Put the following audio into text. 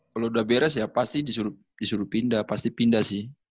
kalau udah beres ya pasti disuruh pindah pasti pindah sih